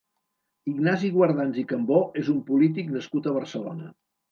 Ignasi Guardans i Cambó és un polític nascut a Barcelona.